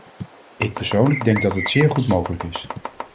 Ik persoonlijk denk dat het zeer goed mogelijk is.